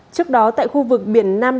trước đó tại khu vực biển nam